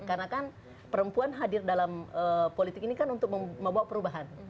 karena kan perempuan hadir dalam politik ini kan untuk membawa perubahan